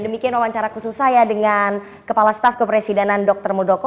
dan demikian wawancara khusus saya dengan kepala staff kepresidenan dr mudoko